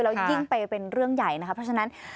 แล้วยิ่งไปเป็นเรื่องใหญ่นะคะเพราะฉะนั้น